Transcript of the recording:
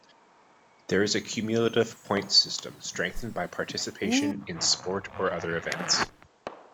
There is a cumulative points system, strengthened by participation in sport or other events.